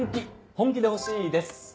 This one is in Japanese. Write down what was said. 本気で欲しいです。